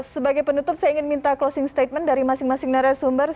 sebagai penutup saya ingin minta closing statement dari masing masing narasumber